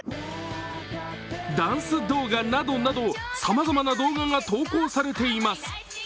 ダンス動画などなど、さまざまな動画が投稿されています。